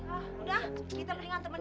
udah kita ingat ingat temenin anak kita aja